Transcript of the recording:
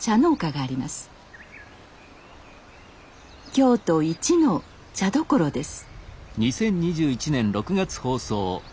京都一の茶どころです